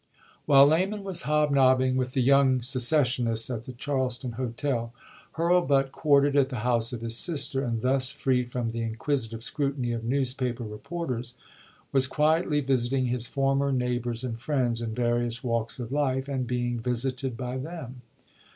While Lamon was hobnobbing with the young secessionists at the Charleston Hotel, Hurlbut, quartered at the house of his sister, and thus free from the inquisitive scrutiny of newspaper reporters, was quietly visit ing his former neighbors and friends, in various walks of life, and being visited by them.